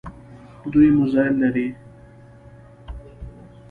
دوی میزایل لري.